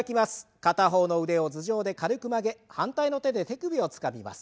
片方の腕を頭上で軽く曲げ反対の手で手首をつかみます。